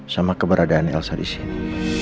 sama keberadaan elsa disini